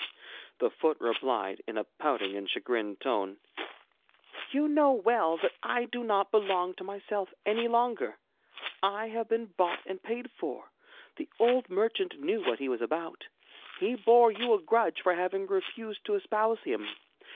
The foot replied in a pouting and chagrined tone: 'You know well that I do not belong to myself any longer. I have been bought and paid for. The old merchant knew what he was about. He bore you a grudge for having refused to espouse him.